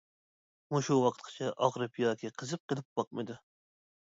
مۇشۇ ۋاقىتقىچە ئاغرىپ ياكى قىزىپ قېلىپ باقمىدى.